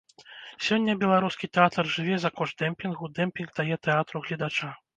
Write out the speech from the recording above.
Сёння беларускі тэатр жыве за кошт дэмпінгу, дэмпінг дае тэатру гледача.